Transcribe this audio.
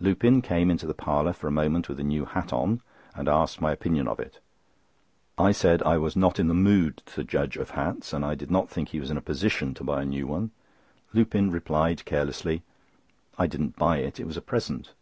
Lupin came into the parlour for a moment with a new hat on, and asked my opinion of it. I said I was not in the mood to judge of hats, and I did not think he was in a position to buy a new one. Lupin replied carelessly: "I didn't buy it; it was a present."